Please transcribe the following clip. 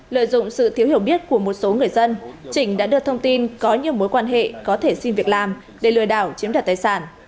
lợi dụng sự thiếu hiểu biết của một số người dân chỉnh đã đưa thông tin có nhiều mối quan hệ có thể xin việc làm để lừa đảo chiếm đoạt tài sản